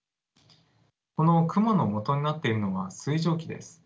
この雲のもとになっているのは水蒸気です。